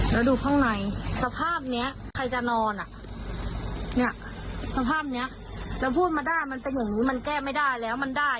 แล้วดูข้างในสภาพเนี้ยใครจะนอนอ่ะเนี่ยสภาพเนี้ยเราพูดมาได้มันเป็นอย่างนี้มันแก้ไม่ได้แล้วมันได้